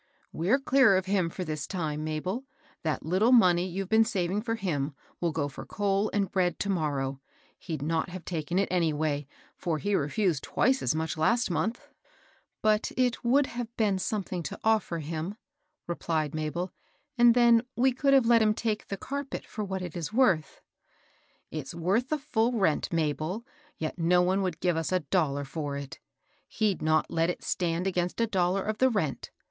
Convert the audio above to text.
*< We're clear of him for this time, Mabel I That little money you've been saving for him will go for coal and bread to morrow. He'd not have taken it anyhow; for he refosed twice as much last month." ^^But it would have been something to offer him," replied Mabel. ^^ And then we could have let hun take the carpet for what it is worth." "It's worth the full rent, Mabel; yet no one would give us a dollar for it. He^d not have let it stand against a dollar of the rent.